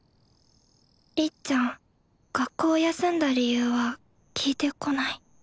りっちゃん学校休んだ理由は聞いてこない